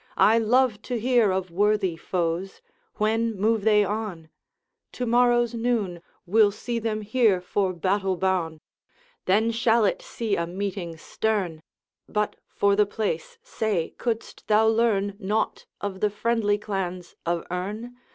I love to hear of worthy foes. When move they on?' 'To morrow's noon Will see them here for battle boune.' 'Then shall it see a meeting stern! But, for the place, say, couldst thou learn Nought of the friendly clans of Earn?